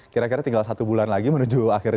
kira kira tinggal satu bulan lagi menuju akhirnya